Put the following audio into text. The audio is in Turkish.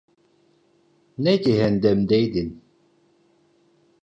Ne cehennemdeydin?